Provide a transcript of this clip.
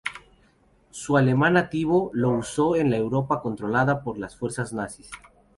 Su alemán nativo lo usó en la Europa controlada por las fuerzas nazis.